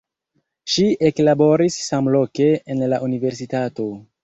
Ŝi eklaboris samloke en la universitato.